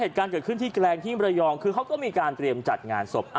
เหตุการณ์เกิดขึ้นที่แกลงที่มรยองคือเขาก็มีการเตรียมจัดงานศพ